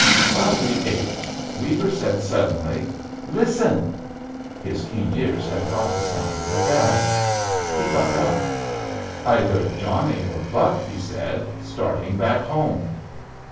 While we ate, Weaver said suddenly, "Listen!" His keen ears had caught the sound of a bell. He got up. "Either Johnny or Buck," he said, "starting back home!"